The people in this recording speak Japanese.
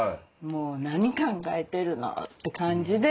もう何考えてるの！って感じで。